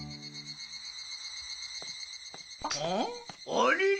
あれれ？